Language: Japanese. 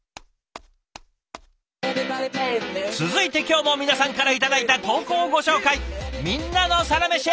続いて今日も皆さんから頂いた投稿をご紹介。